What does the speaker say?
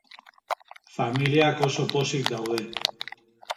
Familiak oso pozik daude.